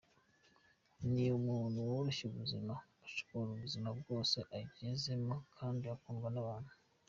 Ni umuntu woroshya ubuzima, ushobora ubuzima bwose agezemo kandi ukundwa n’abantu.